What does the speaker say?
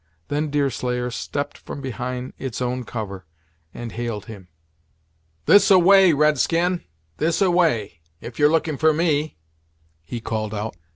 Then Deerslayer stepped from behind its own cover, and hailed him. "This a way, red skin; this a way, if you're looking for me," he called out.